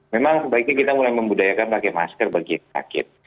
memang sebaiknya kita mulai membudayakan pakai masker bagi yang sakit